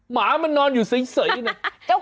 หมามันนอนอยู่ใส